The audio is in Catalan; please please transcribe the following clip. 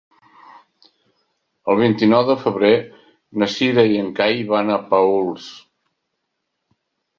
El vint-i-nou de febrer na Cira i en Cai van a Paüls.